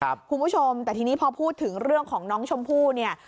คุณผู้ชมแต่ทีนี้พอพูดถึงเรื่องของน้องชมพู่เนี่ย